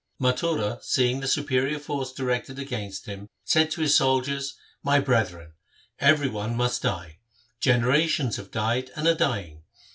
Mathura seeing the superior force directed against him said to his soldiers, ' My brethren, every one must die. Generations have died, and are dying.